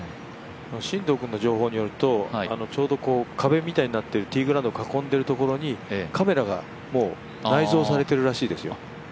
進藤君の情報によると壁みたいになっているティーインググラウンド囲んでいるところに、カメラが内蔵されているそうですよね。